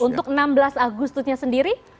untuk enam belas agustusnya sendiri